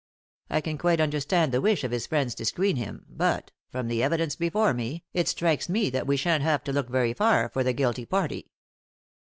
I can quite understand the wish of his friends to screen him, but, from the evidence before me, it strikes me that we shan't have to look very far for the guilty party."